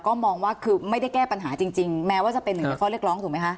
ก็มองว่าคือไม่ได้แก้ปัญหาจริงแม้ว่าจะเป็นหนึ่งในข้อเรียกร้องถูกไหมคะ